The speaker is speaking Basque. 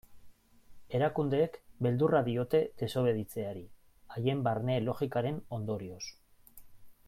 Erakundeek beldurra diote desobeditzeari, haien barne logikaren ondorioz.